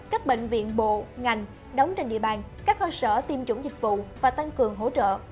các bệnh viện bộ ngành đóng trên địa bàn các cơ sở tiêm chủng dịch vụ và tăng cường hỗ trợ